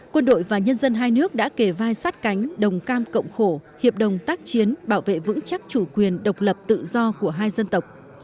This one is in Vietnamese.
quân đội và nhân dân hai nước đã kể vai sát cánh đồng cam cộng khổ hiệp đồng tác chiến bảo vệ vững chắc chủ quyền độc lập tự do của hai dân tộc